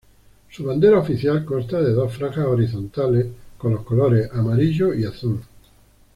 Su bandera oficial consta de dos franjas horizontales con los colores amarillo y azul.